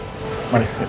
terima kasih banget